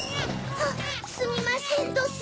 あっすみませんどす。